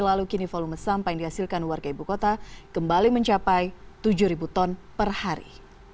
lalu kini volume sampah yang dihasilkan warga ibu kota kembali mencapai tujuh ton per hari